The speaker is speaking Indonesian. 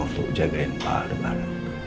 untuk jagain pak debar